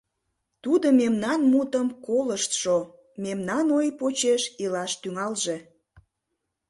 Тудо мемнан мутым колыштшо, мемнан ой почеш илаш тӱҥалже.